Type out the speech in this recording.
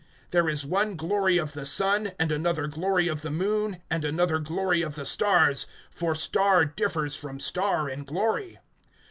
(41)There is one glory of the sun, and another glory of the moon, and another glory of the stars; for star differs from star in glory.